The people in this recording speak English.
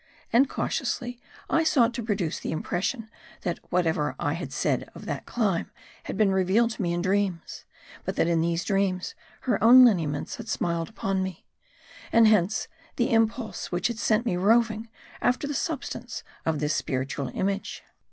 And cautiously I sought to produce the impression, that whatever I had said of that clime, had been revealed to me in dreams ; but that in these dreams, her own lineaments had smiled upon me ; and hence the impulse which had sent me roving after the substance of this spiritual image.